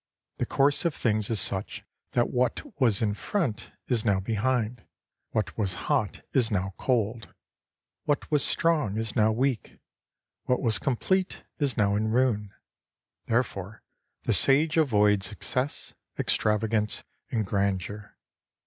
The course of things is such that what was in front is now behind ; what was hot is now cold ; what was strong is now weak ; what was com plete is now in ruin. Therefore the Sage avoids excess, extravagance, and grandeur.